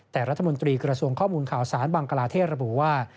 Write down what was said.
แต่รัฐมนตรีกระทรวงข้อมูลข่าวสารบังกลาเทศระบุว่า